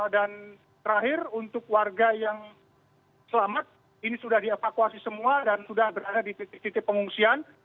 dan terakhir untuk warga yang selamat ini sudah dievakuasi semua dan sudah berada di titik titik pengungsian